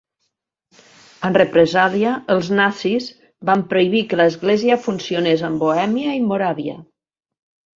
En represàlia, els nazis van prohibir que l'església funcionés en Bohèmia i Moràvia.